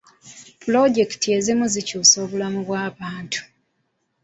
Pulojekiti ezimu zikyusa obulamu bw'abantu.